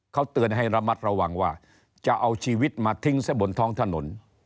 เขาเตือนให้ระมัดระวังว่าจะเอาชีวิตมาทิ้งซะบนท้องถนน